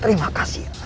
terima kasih ayah